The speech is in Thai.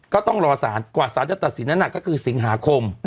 ก็ต้องรอสารกว่าสารจะตัดสินนั้นก็คือสิงหาคม